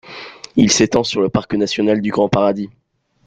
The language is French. Il s'étend sur le parc national du Grand-Paradis.